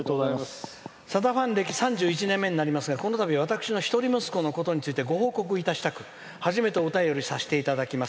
さだファン歴３１年目になりますが、このたび私の一人息子のことについてご報告したく初めてお便りさせていただきます。